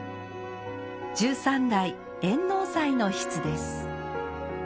十三代圓能斎の筆です。